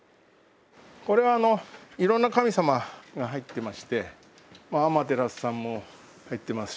これはいろんな神様が入ってましてアマテラスさんも入ってます